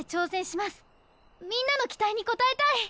みんなの期待にこたえたい！